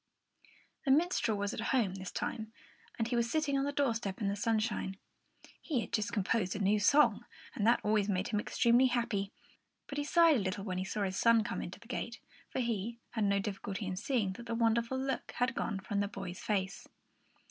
The minstrel was at home, this time, and he was sitting on the doorstep in the sunshine. He had just composed a new song, and that always made him extremely happy; but he sighed a little when he saw his son come in at the gate, for he, too, had no difficulty in seeing that the wonderful look had gone from the boy's face.